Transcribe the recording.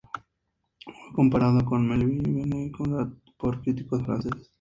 Fue comparado con Melville, Verne y Conrad por críticos franceses.